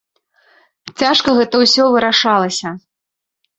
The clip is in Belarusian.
Цяжка гэта ўсё вырашалася.